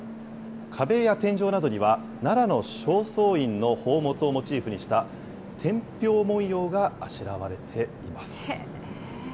壁や天井などには、奈良の正倉院の宝物をモチーフにした、天平文様があしらわれています。